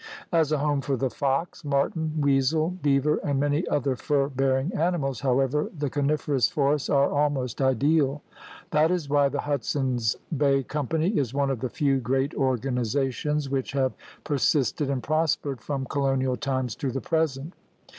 As a home for the fox, marten, weasel, beaver, and many other fur bearing ani mals, however, the coniferous forests are almost ideal. That is why the Hudson's Bay Company is one of the few great organizations which have persisted and prospered from colonial times to the present.